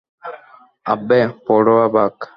আব্বে, পড়ুয়া, ভাগ!